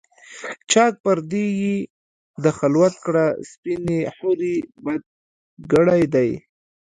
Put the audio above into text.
چاک پردې یې د خلوت کړه سپیني حوري، بد ګړی دی